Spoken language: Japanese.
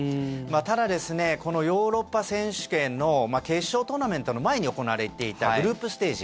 ただ、このヨーロッパ選手権の決勝トーナメントの前に行われていたグループステージ。